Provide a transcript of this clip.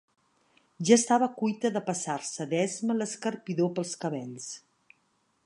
Ja estava cuita de passar-se d'esma l'escarpidor pels cabells.